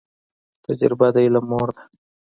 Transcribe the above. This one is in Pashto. تجریبه د علم مور ده